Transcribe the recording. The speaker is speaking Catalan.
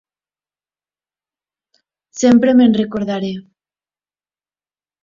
Sempre me'n recordaré.